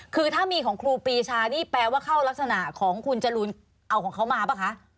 คือถ้ามีของครูปีชานี่แปลว่าเข้ารักษณะของคุณจรูนเอาของเขามาป่ะคะ